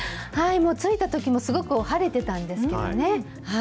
もう着いたとき、すごく晴れてたんですけどね。